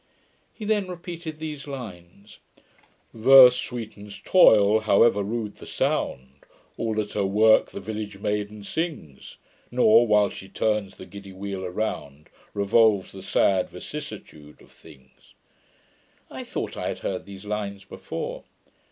He then repeated these lines: '"Verse sweetens toil, however rude the sound. All at her work the village maiden sings; Nor, while she turns the giddy wheel around Revolves the sad vicissitude of things."' I thought I had heard these lines before.